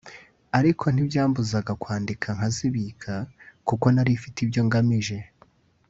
ariko ntibyambuzaga kwandika nkazibika kuko narimfite ibyo ngamije